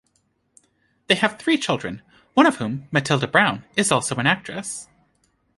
They have three children, one of whom, Matilda Brown, is also an actress.